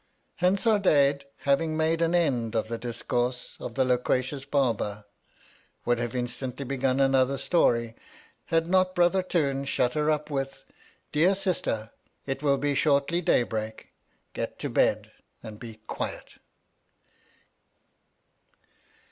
Hansardadade having made an end of the discourse of the loquacious Barber, would have instantly begun another story, had not Brothartoon shut her up with, Dear Sister, it will be shortly daybreak. Get to bed and be quiet.